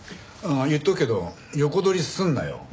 ああ言っとくけど横取りすんなよ。